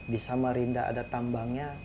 di samarinda ada tambangnya